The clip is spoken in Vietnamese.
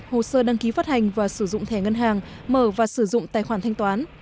hồ sơ đăng ký phát hành và sử dụng thẻ ngân hàng mở và sử dụng tài khoản thanh toán